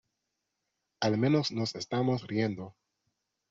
al menos nos estamos riendo.